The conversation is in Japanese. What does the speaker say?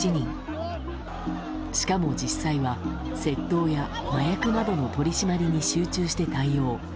しかも実際は窃盗や麻薬などの取り締まりに集中して対応。